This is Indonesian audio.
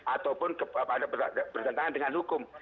ataupun bertentangan dengan hukum